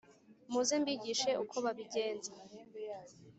Muze mbigishe uko babigenza